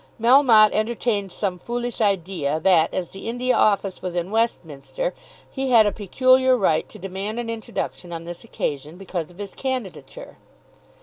Melmotte entertained some foolish idea that as the India Office was in Westminster, he had a peculiar right to demand an introduction on this occasion because of his candidature.